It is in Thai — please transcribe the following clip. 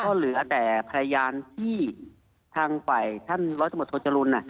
ก็เหลือแต่พยานที่ทางฝ่ายท่านร้อยตำรวจโทจรุล